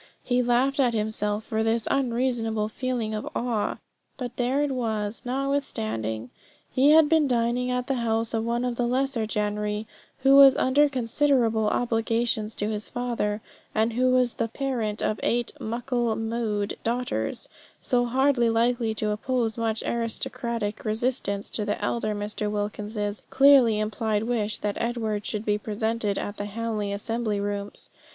He laughed at himself for this unreasonable feeling of awe; but there it was notwithstanding. He had been dining at the house of one of the lesser gentry, who was under considerable obligations to his father, and who was the parent of eight "muckle mou'ed" daughters, so hardly likely to oppose much aristocratic resistance to the elder Mr. Wilkins's clearly implied wish that Edward should be presented at the Hamley assembly rooms.